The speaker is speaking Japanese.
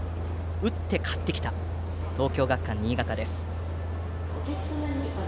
打って勝ってきた東京学館新潟です。